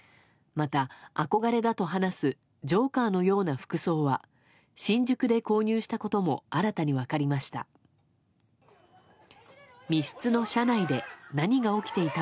また、憧れだと話すジョーカーのような服装は新宿で購入したことも新たに分かりました。